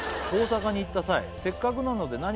「大阪に行った際せっかくなので」